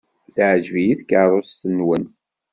Teɛjeb-iyi tkeṛṛust-nwen.